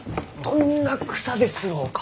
どんな草ですろうか？